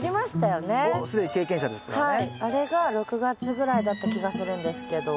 あれが６月ぐらいだった気がするんですけど。